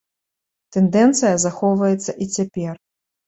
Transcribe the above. Тэндэнцыя захоўваецца і цяпер.